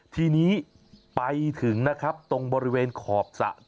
ทีนี้ไปถึงนะครับตรงบริเวณขอบสระ